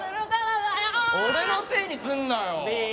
俺のせいにすんなよ！